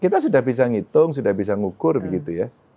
kita sudah bisa ngitung sudah bisa ngukur begitu ya